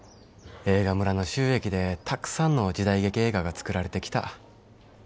映画村の収益でたくさんの時代劇映画がつくられてきた。